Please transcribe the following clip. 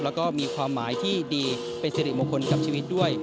แล้วก็มีความหมายที่ดีเป็นสิริมงคลกับชีวิตด้วย